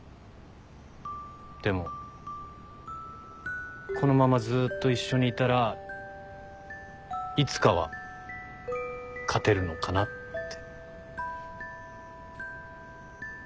でもこのままずーっと一緒にいたらいつかは勝てるのかなって。